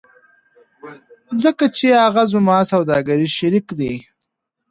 ځکه چې هغه زما سوداګریز شریک دی